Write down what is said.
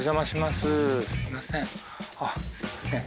すみません。